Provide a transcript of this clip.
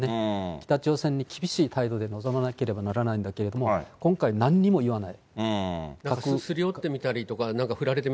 北朝鮮に厳しい態度で臨まなければならないんだけども、今回、なんにも言わない。